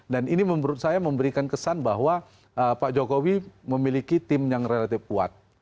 dan ini menurut saya memberikan kesan bahwa pak jokowi memiliki tim yang relatif kuat